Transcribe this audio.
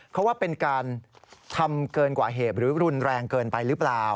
เขาว่าเป็นการทำเกินกว่าเหตุหรือรุนแรงเกินไปหรือเปล่า